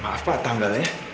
maaf pak tanggalnya